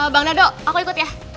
bang nado aku ikut ya